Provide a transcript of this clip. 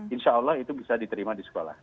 insya allah itu bisa diterima di sekolah